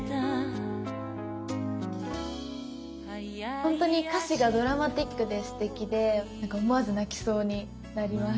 ほんとに歌詞がドラマティックですてきでなんか思わず泣きそうになります。